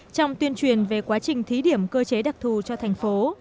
trong tuyên truyền về quá trình thí điểm cơ chế đặc thù cho thành phố